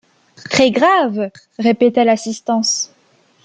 Très grave! répéta l’assistance.